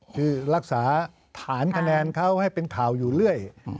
คือรักษาฐานคะแนนเขาให้เป็นข่าวอยู่เรื่อย